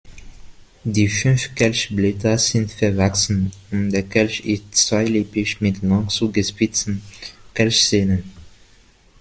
Die fünf Kelchblätter sind verwachsen und der Kelch ist zweilippig mit lang zugespitzten Kelchzähnen.